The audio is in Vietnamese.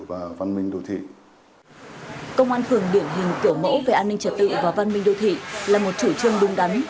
và văn minh đô thị là một chủ trương đúng đắn